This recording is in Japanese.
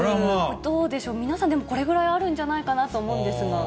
どうでしょう、皆さん、でもこれぐらいあるんじゃないかなと思うんですが。